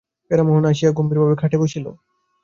প্যারীমোহন আসিয়া গম্ভীরভাবে খাটে বসিল।